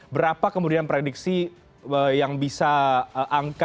berapa kemudian prediksi yang bisa angka